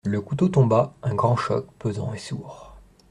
Le couteau tomba, un grand choc, pesant et sourd.